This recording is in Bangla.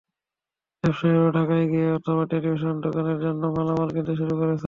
ব্যবসায়ীরাও ঢাকায় গিয়ে অথবা টেলিফোনে দোকানের জন্য মালামাল কিনতে শুরু করেছেন।